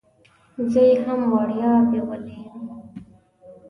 زه یې هم وړیا بیولې وم.